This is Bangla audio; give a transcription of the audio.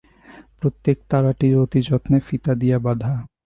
প্রত্যেক তাড়াটি অতিযত্নে ফিতা দিয়া বাঁধা।